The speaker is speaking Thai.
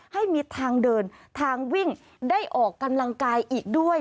ให้มีทางเดินทางวิ่งได้ออกกำลังกายอีกด้วย